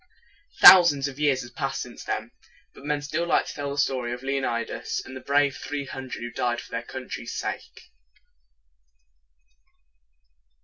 Thousands of years have passed since then; but men still like to tell the story of Leonidas and the brave three hundred who died for their country's sake.